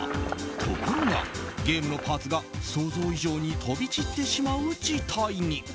ところが、ゲームのパーツが想像以上に飛び散ってしまう事態に。